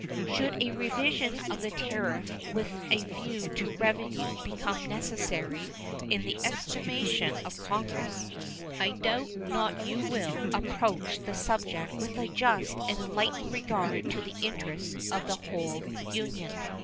Should a revision of the tariff with a view to revenue become necessary in the estimation of Congress, I doubt not you will approach the subject with a just and enlightened regard to the interests of the whole Union.